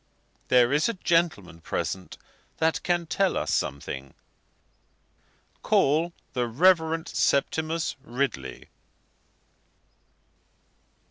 There is a gentleman present that can tell us something. Call the Reverend Septimus Ridley."